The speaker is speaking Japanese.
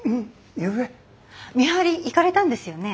見張り行かれたんですよね。